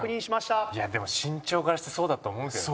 でも身長からしてそうだと思うけどな。